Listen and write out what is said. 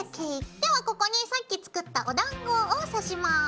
ではここにさっき作ったおだんごを刺します。